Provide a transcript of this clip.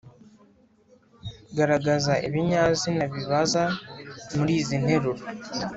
garagaza ibinyazina bibaza muri izi nteruro: